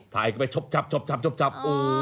ถ่ายกันไปชบ